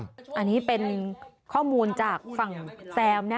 อันนี้เป็นข้อมูลจากฝั่งแซมนะ